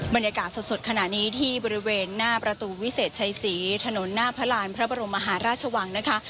บรรยากาศสดขณะนี้ที่บริเวณหน้าประตูวิเศษชัยศรีถนนหน้าพระราณพระบรมมหาราชวังนะคะ